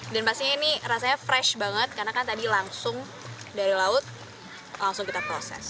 dan pastinya ini rasanya fresh banget karena kan tadi langsung dari laut langsung kita proses